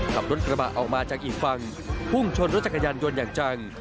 ขับรถกระบะออกมาจากอีกฝั่งพุ่งชนรถจักรยานยนต์อย่างจัง